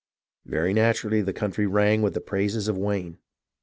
Very naturally the country rang with the praises of Wayne.